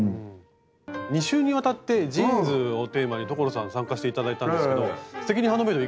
２週にわたってジーンズをテーマに所さん参加して頂いたんですけど「すてきにハンドメイド」